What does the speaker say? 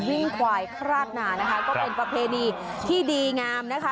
ควายคราบหนานะคะก็เป็นประเพณีที่ดีงามนะคะ